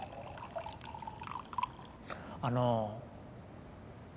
あの。